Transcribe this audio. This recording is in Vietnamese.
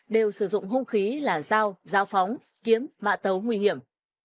đều sử dụng hung khí làn dao dao phóng kiếm mạ tấu nguy hiểm